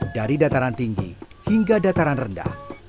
dari dataran tinggi hingga dataran rendah